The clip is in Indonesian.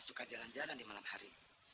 suka jalan jalan di malam hari